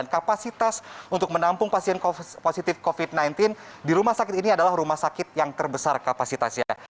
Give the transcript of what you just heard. kapasitas untuk menampung pasien positif covid sembilan belas di rumah sakit ini adalah rumah sakit yang terbesar kapasitasnya